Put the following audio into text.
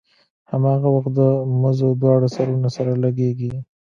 هماغه وخت د مزو دواړه سرونه سره لګېږي.